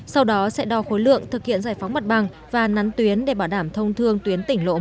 sau đó sẽ đo khối lượng thực hiện giải phóng mặt bằng và nắn tuyến để bảo đảm thông thương tuyến tỉnh lộ một trăm ba mươi hai